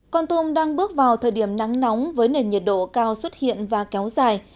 con tum đang bước vào thời điểm nắng nóng với nền nhiệt độ cao xuất hiện và kéo dài